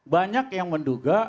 banyak yang menduga